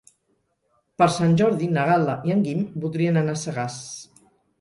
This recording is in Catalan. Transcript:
Per Sant Jordi na Gal·la i en Guim voldrien anar a Sagàs.